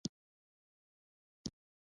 لیکلي مدارک یې لاسونه بندوي.